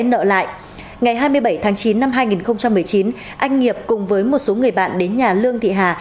ngày hai mươi bảy tháng chín năm hai nghìn một mươi chín anh nghiệp cùng với một số người bạn đến nhà lương thị hà